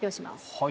はい。